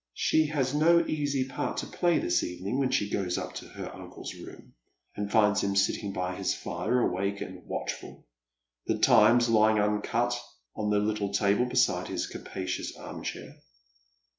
She has no easy part to play this evening when she goes up to her WKHe's room, and finds laim sitting by his fire awake and watckfui — the Times lying uncut on the little table beside his capacious arm chair.